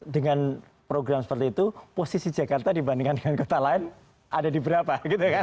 dengan program seperti itu posisi jakarta dibandingkan dengan kota lain ada di berapa gitu kan